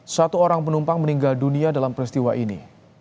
satu orang penumpang meninggal dunia dalam peristiwa ini